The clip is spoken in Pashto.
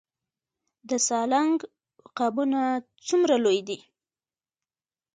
د سالنګ عقابونه څومره لوی دي؟